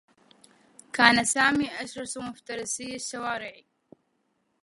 كان سامي أشرس مفترسي الشّوارع.